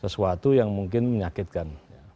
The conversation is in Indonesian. sesuatu yang mungkin menyakitkan